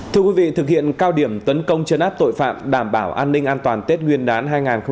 thưa quý vị thực hiện cao điểm tấn công chấn áp tội phạm đảm bảo an ninh an toàn tết nguyên đán hai nghìn hai mươi bốn